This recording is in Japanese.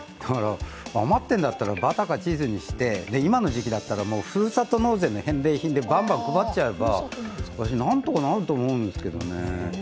余ってんだったら、バターかチーズにして、今の時期だったらふるさと納税の返礼品でバンバン配っちゃえば、私なんとかなると思うんですけどね。